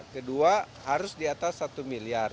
kedua harus di atas satu miliar